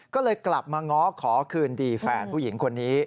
ก็เลยกลับมาง้อขอคืนดีแฟนผู้หญิงคนนี้